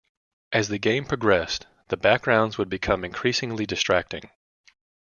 As the game progressed, the backgrounds would become increasingly distracting.